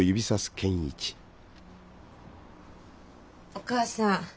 お義母さん